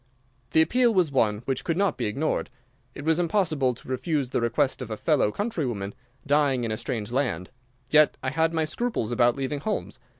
The appeal was one which could not be ignored. It was impossible to refuse the request of a fellow countrywoman dying in a strange land. Yet I had my scruples about leaving Holmes.